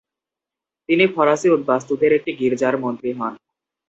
তিনি ফরাসি উদ্বাস্তুদের একটি গির্জার মন্ত্রী হন।